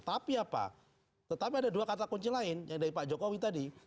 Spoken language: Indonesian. tapi apa tetapi ada dua kata kunci lain yang dari pak jokowi tadi